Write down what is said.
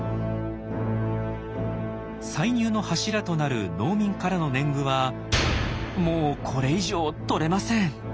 歳入の柱となる農民からの年貢はもうこれ以上とれません。